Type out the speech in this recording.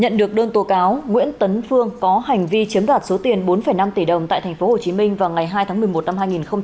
nhận được đơn tố cáo nguyễn tuấn phương có hành vi chiếm đạt số tiền bốn năm tỷ đồng tại tp hcm vào ngày hai tháng một mươi một năm hai nghìn một mươi tám